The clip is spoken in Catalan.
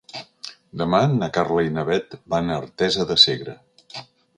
Demà na Carla i na Bet van a Artesa de Segre.